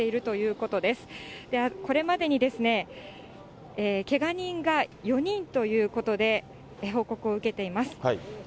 これまでにけが人が４人ということで、報告を受けています。